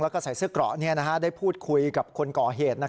แล้วก็ใส่เสื้อเกราะได้พูดคุยกับคนก่อเหตุ